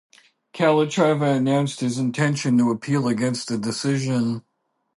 Calatrava announced his intention to appeal against the decision.